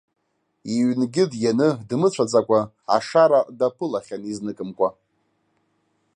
Иҩнгьы дианы, дмыцәаӡакәа, ашара даԥылахьан изныкымкәа.